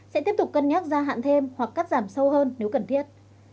sẽ tiếp tục cân nhắc gia hạn thêm hoặc cắt giảm sâu hơn nếu cần thiết